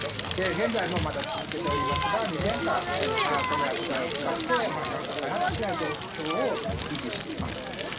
現在もまだ続けておりますが２年間この薬剤を使ってがんが再発しない状況を維持しています。